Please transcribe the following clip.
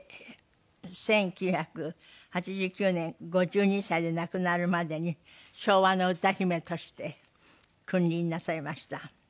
で１９８９年５２歳で亡くなるまでに昭和の歌姫として君臨なさいました。